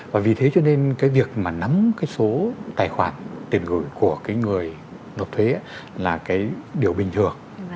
và vì thế cho nên cái việc mà nắm cái số tài khoản tiền gửi của cái người nộp thuế là cái điều bình thường